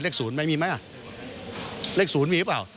เลข๐มีไหมเลข๐มีหรือเปล่า